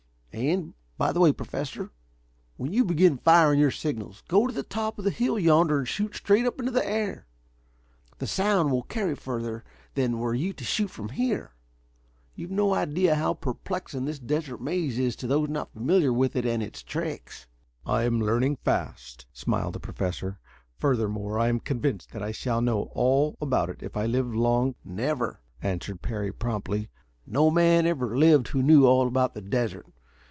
And, by the way, Professor, when you begin firing your signals, go to the top of the hill yonder and shoot straight up into the air. The sound will carry further than were you to shoot from here. You've no idea how perplexing this Desert Maze is to those not familiar with it and its tricks." "I'm learning fast," smiled the Professor. "Furthermore, I am convinced that I shall know all about it if I live long " "Never," answered Parry promptly. "No man ever lived who knew all about the desert.